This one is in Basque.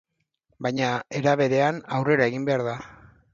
Baina, era berean, aurrera egin behar da.